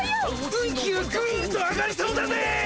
運気がぐんと上がりそうだぜ。